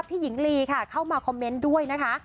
หญิงลีค่ะเข้ามาคอมเมนต์ด้วยนะคะ